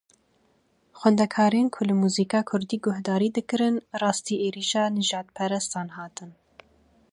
Xwendekarên ku li muzîka kurdî guhdarî dikirin rastî êrişa nijadperestan hatin.